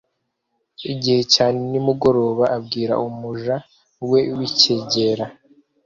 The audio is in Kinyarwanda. igihe cya nimugoroba abwira umuja we w'icyegera